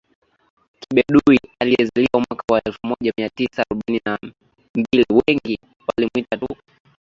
Kibedui aliyezaliwa mwaka wa elfu moja mia tisa arobaini na mbiliWengi walimuita tu